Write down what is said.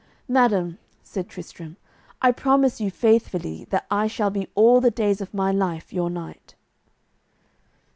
"Madam," said Tristram, "I promise you faithfully that I shall be all the days of my life your knight."